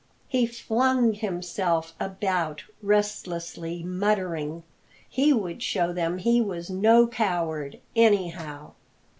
He flung himself about restlessly, muttering. He would show them he was no coward, anyhow!